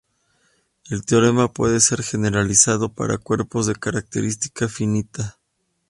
El teorema puede ser generalizado para cuerpos de característica finita.